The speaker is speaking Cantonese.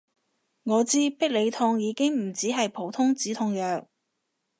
我知必理痛已經唔止係普通止痛藥